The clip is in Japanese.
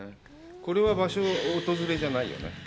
これは、場所、音信じゃないよね？